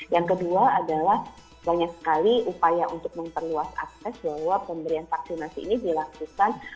yang kedua adalah banyak sekali upaya untuk memperluas akses bahwa pemberian vaksinasi ini dilakukan